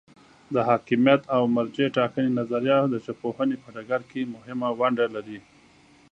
د حاکمیت او مرجع ټاکنې نظریه د ژبپوهنې په ډګر کې مهمه ونډه لري.